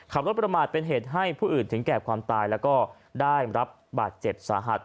ขับรถประมาทเป็นเหตุให้ผู้อื่นถึงแก่ความตายแล้วก็ได้รับบาดเจ็บสาหัส